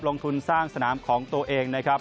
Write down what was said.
ลงทุนสร้างสนามของตัวเองนะครับ